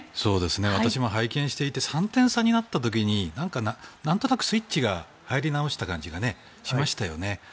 私も拝見していて３点差になった時になんとなくスイッチが入り直した感じがしましたよね。